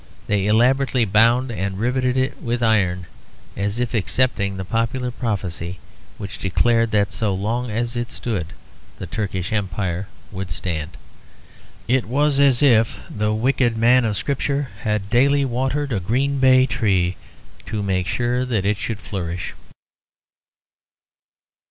They elaborately bound and riveted it with iron, as if accepting the popular prophecy which declared that so long as it stood the Turkish Empire would stand. It was as if the wicked man of Scripture had daily watered a green bay tree, to make sure that it should flourish.